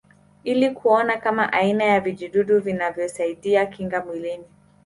Ili kuona kama aina ya vijidudu vinavyosaidia kinga mwilini